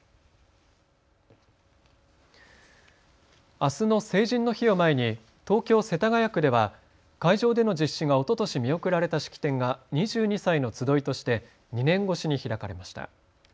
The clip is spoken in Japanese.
あすの成人の日を前に東京世田谷区では会場での実施がおととし見送られた式典が２２歳のつどいとして２年越しに開かれました。